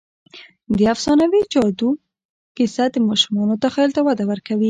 د افسانوي جادو کیسه د ماشومانو تخیل ته وده ورکوي.